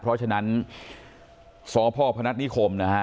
เพราะฉะนั้นสพพนัฐนิคมนะฮะ